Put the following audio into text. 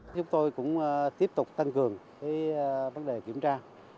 chúng tôi cũng tiếp tục tăng cường vấn đề kiểm tra